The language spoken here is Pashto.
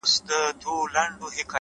تمرکز نتیجه چټکوي’